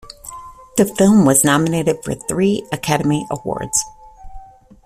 The film was nominated for three Academy Awards.